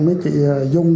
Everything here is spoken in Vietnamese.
với chị dung